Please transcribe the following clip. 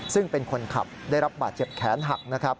ซึ่งเป็นคนขับได้รับบาดเจ็บแขนหักนะครับ